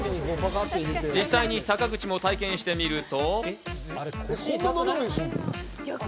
実際に坂口も体験してみると。